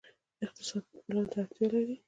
اقتصاد پلان ته اړتیا لري